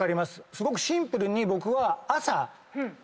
すごくシンプルに僕は。